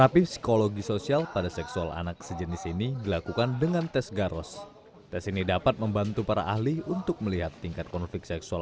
prinsipnya bahwa kementerian sosial siap untuk melakukan rehabilitasi sosial